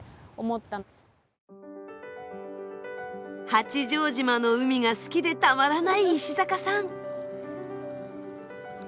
八丈島の海が好きでたまらない石坂さん。